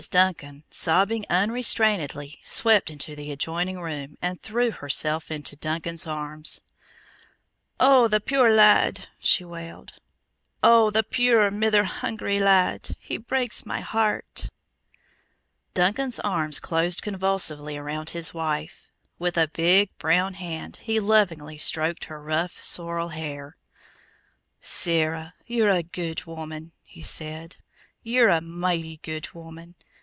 Duncan, sobbing unrestrainedly, swept into the adjoining room and threw herself into Duncan's arms. "Oh, the puir lad!" she wailed. "Oh, the puir mither hungry lad! He breaks my heart!" Duncan's arms closed convulsively around his wife. With a big, brown hand he lovingly stroked her rough, sorrel hair. "Sarah, you're a guid woman!" he said. "You're a michty guid woman!